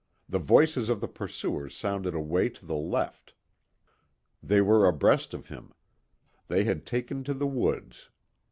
The voices of the pursuers sounded away to the left. They were abreast of him. They had taken to the woods.